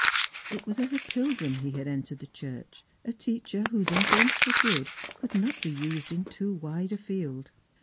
It was as a pilgrim he had entered the Church ; a teacher whose influence for good could not be used in too wide a field.